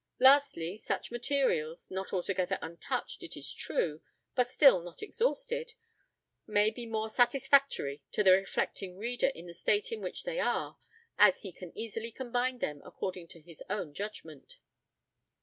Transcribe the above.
Lastly, such materials, not altogether untouched it is true, but still not exhausted, may be more satisfactory to the reflecting reader in the state in which they are, as he can easily combine them according to his own judgment.